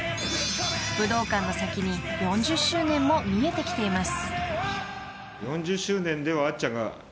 ［武道館の先に４０周年も見えてきています］